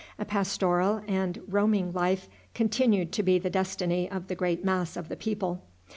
A pastoral and roaming life continued to be the destiny of the great mass of the people.